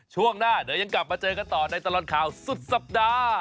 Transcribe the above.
ช่วงหน้าเดี๋ยวยังกลับมาเจอกันต่อในตลอดข่าวสุดสัปดาห์